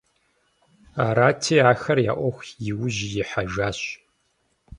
Арати, ахэр я Ӏуэху и ужь ихьэжащ.